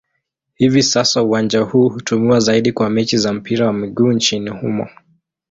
Hivi sasa uwanja huu hutumiwa zaidi kwa mechi za mpira wa miguu nchini humo.